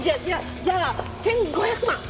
じゃあ１５００万！